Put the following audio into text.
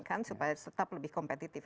kan supaya tetap lebih kompetitif